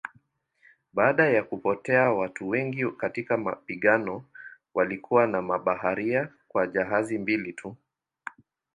Baada ya kupotea watu wengi katika mapigano walikuwa na mabaharia kwa jahazi mbili tu.